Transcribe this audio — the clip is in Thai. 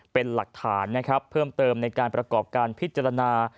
เป็นหลักฐานนะครับเพิ่มเติมในการประกอบการพิจารณา